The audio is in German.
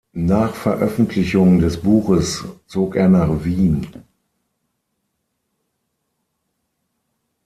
Nach Veröffentlichung des Buches zog er nach Wien.